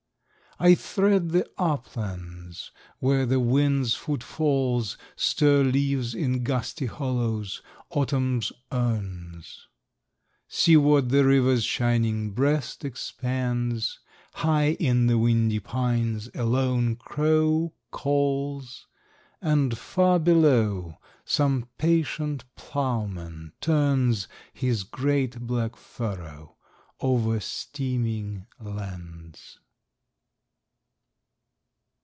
I thread the uplands where the wind's footfalls Stir leaves in gusty hollows, autumn's urns. Seaward the river's shining breast expands, High in the windy pines a lone crow calls, And far below some patient ploughman turns His great black furrow over steaming lands.